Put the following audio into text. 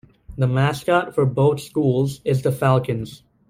The mascot for both schools is the Falcons.